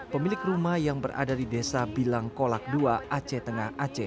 pemilik rumah yang berada di desa bilang kolak dua aceh tengah aceh